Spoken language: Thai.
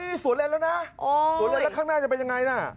นี่สวนเล่นแล้วนะสวนเลนแล้วข้างหน้าจะเป็นยังไงน่ะ